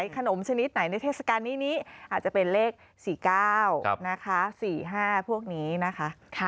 ขนมชนิดไหนในเทศกาลนี้นี้อาจจะเป็นเลข๔๙นะคะ๔๕พวกนี้นะคะ